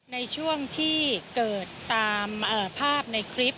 ในช่วงที่เกิดตามภาพในคลิป